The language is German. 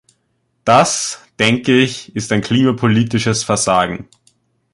Das, denke ich, ist ein klimapolitisches Versagen.